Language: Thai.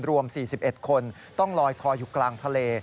รวม๔๑คนต้องลอยคออยู่กลางทะเล